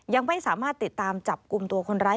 ยังไม่สามารถติดตามจับกลุ่มตัวคนร้าย